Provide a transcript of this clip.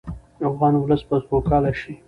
افغان ولس به سوکاله شي.